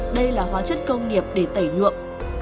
đây là hóa chất công nghiệp để tẩy nhuộm